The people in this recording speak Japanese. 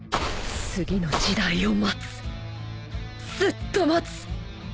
次の時代を待つずっと待つ！